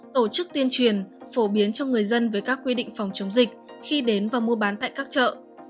tổ chức tuyên truyền phổ biến cho người dân về các quy định phòng chống dịch khi đến và mua bán tại các chợ